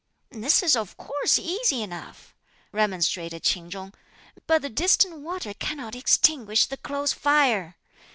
"This is of course easy enough!" remonstrated Ch'in Chung; "but the distant water cannot extinguish the close fire!"